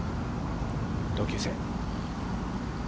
同級生。